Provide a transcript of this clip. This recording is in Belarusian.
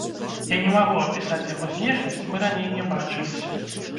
Я не магу апісаць яго знешнасць, мы раней не бачыліся.